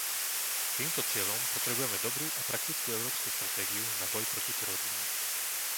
S týmto cieľom potrebujeme dobrú a praktickú európsku stratégiu na boj proti terorizmu.